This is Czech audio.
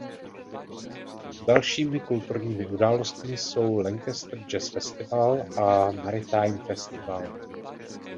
Dalšími kulturními událostmi jsou "Lancaster Jazz Festival" a "Maritime Festival".